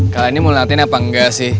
kalian ini mau latihan apa enggak sih